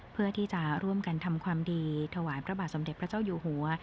เพื่อที่จะร่วมกันทำความดีถวายพระบาทสมเด็จพระเจ้าอยู่หัว